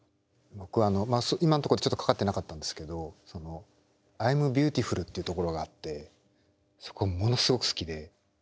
僕あの今んとこちょっとかかってなかったんですけど「アイムビューティフル」っていうところがあってそこものすごく好きで。